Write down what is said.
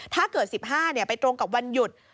ถ้าเกิด๑๕ไปตรงกับวันหยุด